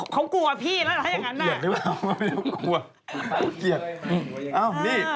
เค้ากลัวพี่แล้วนะ